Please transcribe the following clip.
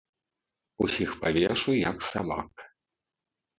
Усіх павешу, як сабак!